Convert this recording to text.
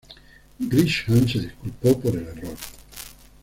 Grisham se disculpó por el error.